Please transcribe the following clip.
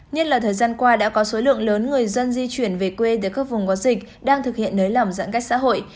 nhất là thời gian qua đã có số lượng lớn người dân di chuyển về quê từ các vùng có dịch đang thực hiện nới lỏng giãn cách xã hội